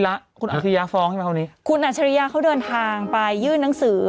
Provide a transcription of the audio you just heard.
ลูกของคุณไม่ให้ทานไหลหรอลูก